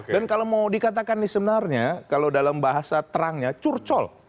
dan kalau mau dikatakan sebenarnya kalau dalam bahasa terangnya curcol